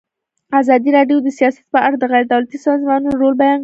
ازادي راډیو د سیاست په اړه د غیر دولتي سازمانونو رول بیان کړی.